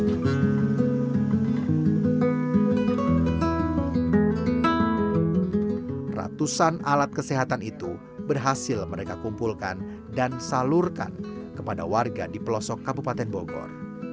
ratusan alat kesehatan itu berhasil mereka kumpulkan dan salurkan kepada warga di pelosok kabupaten bogor